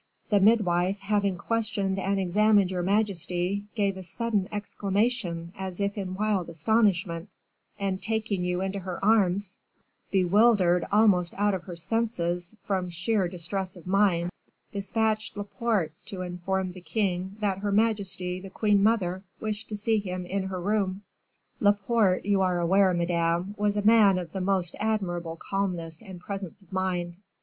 The midwife, having questioned and examined your majesty, gave a sudden exclamation as if in wild astonishment, and taking you in her arms, bewildered almost out of her senses from sheer distress of mind, dispatched Laporte to inform the king that her majesty the queen mother wished to see him in her room. Laporte, you are aware, madame, was a man of the most admirable calmness and presence of mind.